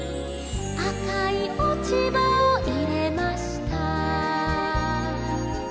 「赤い落ち葉を入れました」